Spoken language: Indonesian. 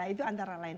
itu antara lain